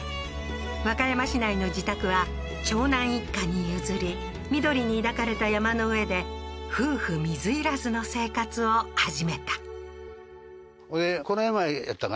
和歌山市内の自宅は長男一家に譲り緑に抱かれた山の上で夫婦水入らずの生活を始めたあ